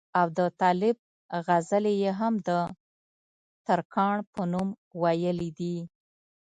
او د طالب غزلې ئې هم دترکاڼ پۀ نوم وئيلي دي